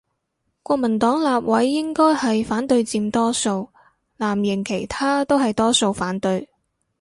國民黨立委應該係反對佔多數，藍營其他都係多數反對